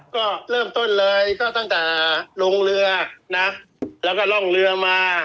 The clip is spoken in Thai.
ก็เริ่มต้นเลยก็ตั้งแต่ลงเรือนะแล้วก็ร่องเรือมา